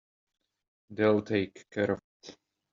They'll take care of it.